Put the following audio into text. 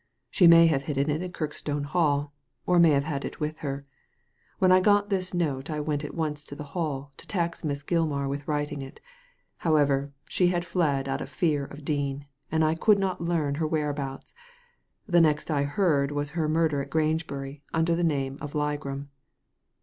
She may have hidden it in Kirk stone Hall, or may have had it with hen When I got this note I went at once to the Hall to tax Miss Gilmar with writing it. However, she had fled out of fear of Dean, and I could not learn her where abouts. The next I heard was her murder at Grange bury under the name of Ligram."